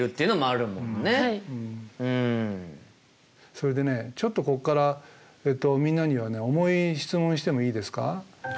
それでねちょっとこっからみんなにはね重い質問してもいいですか？